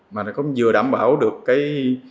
mà cũng vừa đảm bảo được cái